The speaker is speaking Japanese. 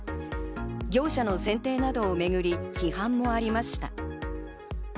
業者の選定などをめぐり批判もありました。